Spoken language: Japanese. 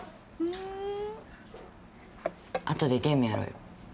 後でゲームやろうよ。